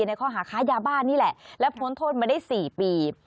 ในข้อหาค้ายาบ้านนี่แหละและพ้นโทษมาได้๔ปี